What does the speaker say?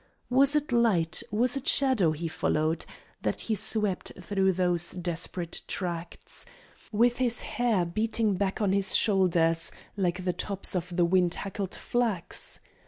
Was it light, was it shadow he followed, That he swept through those desperate tracts, With his hair beating back on his shoulders Like the tops of the wind hackled flax?